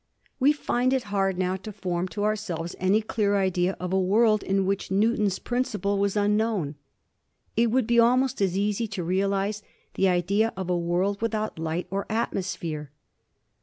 We find it hard now to form to ourselves any clear idea of a world to which NeT\iion'8 principle was unknown. It would be almost as easy to realise the idea of a world without light or atmosphere.